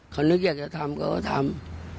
เขานึกอยากจะทำเขาก็ทำ